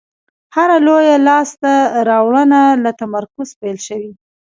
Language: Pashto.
هره لویه لاستهراوړنه له تمرکز پیل شوې.